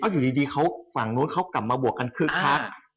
อยู่ดีฝั่งโน้นเขากลับมาบวกกันครึกครับ